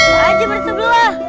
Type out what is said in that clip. sial aja bersebelah